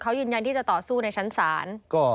เขายืนยันที่จะต่อสู้ในชั้นศาล